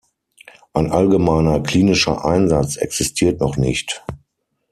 Ein allgemeiner klinischer Einsatz existiert noch nicht.